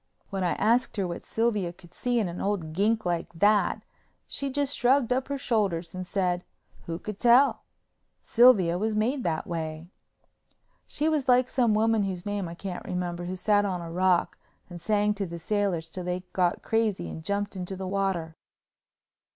When I asked her what Sylvia could see in an old gink like that, she just shrugged up her shoulders and said, who could tell—Sylvia was made that way. She was like some woman whose name I can't remember who sat on a rock and sang to the sailors till they got crazy and jumped into the water.